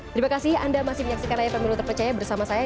terima kasih anda masih menyaksikan layar pemilu terpercaya bersama saya